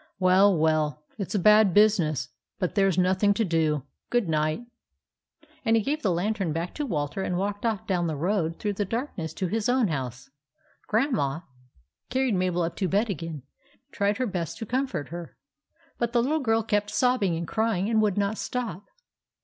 Well, well, it 's a bad business, but there 's nothing to be done. Good night" And he gave the lantern back to Walter and walked off down the road through the darkness to his own house. Grandma THE ROBBERS 55 carried Mabel up to bed again, and tried her best to comfort her ; but the little girl kept sobbing and crying, and would not stop.